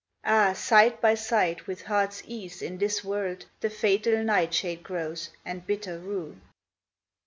Ah, side by side with heart's ease in this world The fatal night shade grows and bitter rue!